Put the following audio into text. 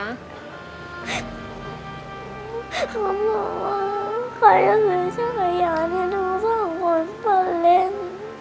ขอบคุณมากขออยากให้ชายอย่างนี้ดูสองคนมาเล่น